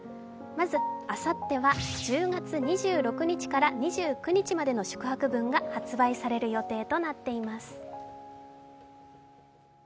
まず、あさっては１０月２６日から２９日までの宿泊分が発売される予定となっています。